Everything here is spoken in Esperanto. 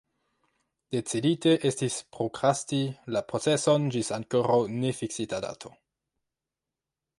Decidite estis prokrasti la proceson ĝis ankoraŭ nefiksita dato.